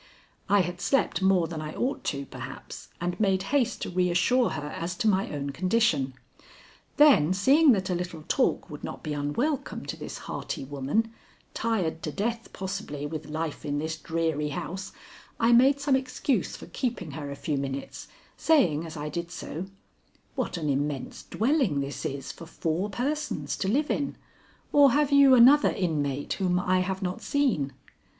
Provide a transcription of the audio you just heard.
I had slept more than I ought to, perhaps, and made haste to reassure her as to my own condition. Then seeing that a little talk would not be unwelcome to this hearty woman, tired to death possibly with life in this dreary house, I made some excuse for keeping her a few minutes, saying as I did so: "What an immense dwelling this is for four persons to live in, or have you another inmate whom I have not seen?"